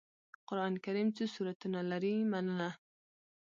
قرآن کريم څو سورتونه لري مننه